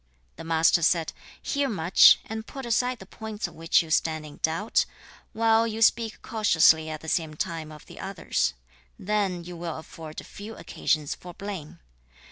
The Master said, 'Hear much and put aside the points of which you stand in doubt, while you speak cautiously at the same time of the others: then you will afford few occasions for blame.